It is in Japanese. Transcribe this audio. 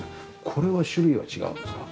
これは種類は違うんですか？